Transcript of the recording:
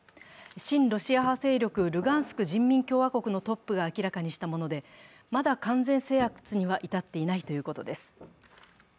親ロシア派勢力ルハンシク人民共和国のトップが明らかにしたもので、まだ完全制圧には至っていないということです。